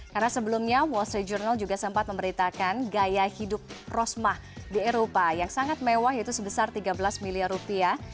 karena sebelumnya wall street journal juga sempat memberitakan gaya hidup rosmah di eropa yang sangat mewah yaitu sebesar tiga belas miliar rupiah